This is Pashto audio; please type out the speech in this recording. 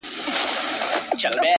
لمن كي مي د سپينو ملغلرو كور ودان دى؛